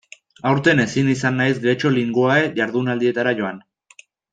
Aurten ezin izan naiz Getxo Linguae jardunaldietara joan.